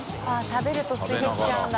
食べるとすいてきちゃうんだ。